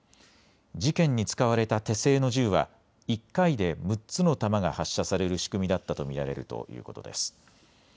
事件に使われた手製の銃は１回で６つの弾が発射される仕組みだったと見られるということです。